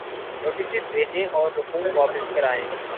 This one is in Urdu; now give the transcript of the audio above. نوٹسز بھیجیں اور رقوم واپس کرائیں۔